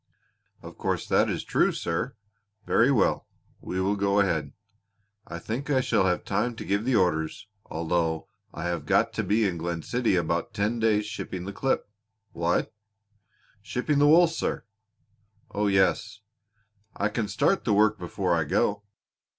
"Of course that is true, sir. Very well. We will go ahead. I think I shall have time to give the orders, although I have got to be in Glen City about ten days shipping the clip." "What?" "Shipping the wool, sir." "Oh, yes." "I can start the work before I go."